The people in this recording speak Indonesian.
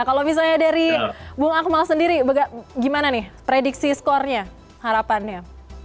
kalau misalnya dari bung akmal sendiri gimana nih prediksi skornya harapannya